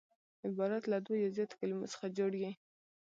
عبارت له دوو یا زیاتو کليمو څخه جوړ يي.